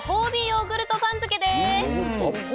ヨーグルト番付です。